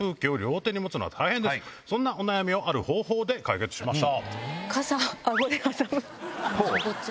そんなお悩みをある方法で解決しました。